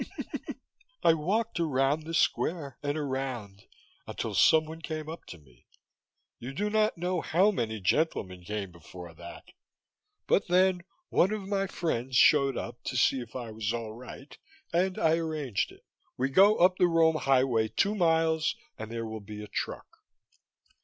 "I walked around the square and around, until someone came up to me. You do not know how many gentlemen came before that! But then one of my friends showed up, to see if I was all right, and I arranged it. We go up the Rome highway two miles and there will be a truck."